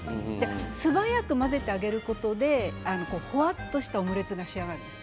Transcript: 素早く混ぜてあげることでふわっとしたオムレツが仕上がる。